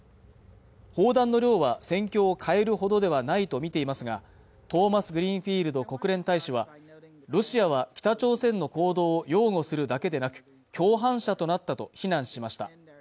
砲弾の量は戦況を変えるほどではないと見ていますがトーマスグリーンフィールド国連大使はロシアは北朝鮮の行動を擁護するだけでなく共犯者となったと非難しました